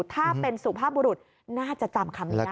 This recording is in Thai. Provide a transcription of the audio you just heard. ถ้าเป็นสุภาพบุรุษน่าจะจำคำนี้ได้